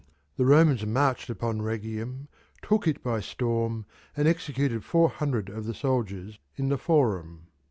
The Romans marched upon Rhegium, took it by storm, and executed four hundred of the soldiers in the Forum.